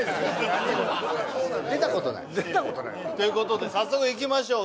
何も出たことないということで早速いきましょう